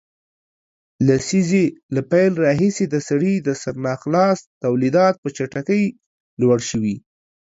لسیزې له پیل راهیسې د سړي د سر ناخالص تولیدات په چټکۍ لوړ شوي